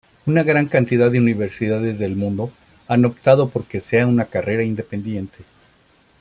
Una gran cantidad de universidades del mundo han optado porque sea una carrera independiente.